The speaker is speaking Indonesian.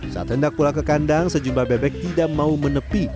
saat hendak pulang ke kandang sejumlah bebek tidak mau menepi